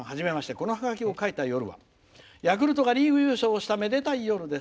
このはがきを書いた夜はヤクルトがリーグ優勝をしためでたい夜です」